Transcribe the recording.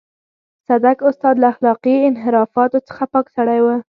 صدک استاد له اخلاقي انحرافاتو څخه پاک سړی و.